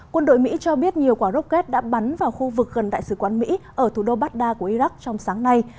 quân đội mỹ cho biết nhiều quả rocket đã bắn vào khu vực gần đại sứ quán mỹ ở thủ đô baghdad của iraq trong sáng nay